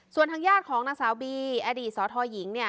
ส่วนทางญาติของนางสาวบีอดีตสทหญิง